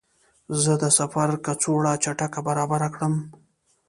زه د سفر کڅوړه چټکه برابره کړم.